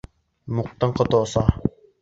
Муктың ҡото оса.